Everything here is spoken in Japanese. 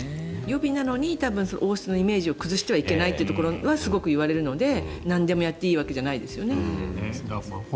予備なのに王室のイメージを崩してはいけないとすごく言われるのでなんでもやっていいわけじゃないですよね。